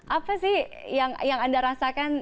apa sih yang anda rasakan